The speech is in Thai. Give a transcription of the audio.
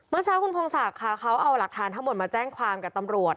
เมื่อเช้าคุณพงศักดิ์ค่ะเขาเอาหลักฐานทั้งหมดมาแจ้งความกับตำรวจ